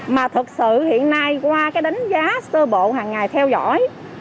mà thật sự hiện nay qua cái đánh giá sơ bộ hàng ngày theo dõi